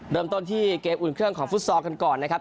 เริ่มต้นที่เกมอุ่นเครื่องของฟุตซอลกันก่อนนะครับ